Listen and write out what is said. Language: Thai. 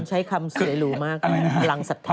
วงใช้คำเสร็จหรูมากพลังสัตธา